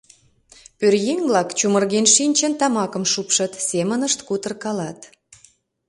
Пӧръеҥ-влак, чумырген шинчын, тамакым шупшыт, семынышт кутыркалат.